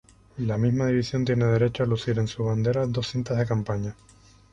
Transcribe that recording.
La misma división tiene derecho a lucir en su bandera dos cintas de campaña.